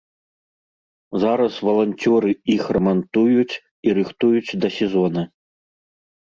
Зараз валанцёры іх рамантуюць і рыхтуюць да сезона.